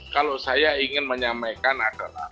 kalau saya ingin menyampaikan adalah